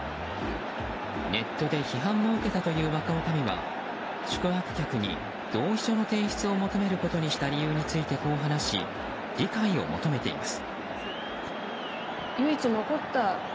ネットで批判も受けたという若おかみは宿泊客に同意書の提出を求めることにした理由をこう話し、理解を求めています。